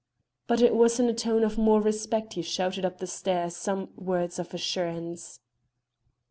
But it was in a tone of more respect he shouted up the stair some words of assurance.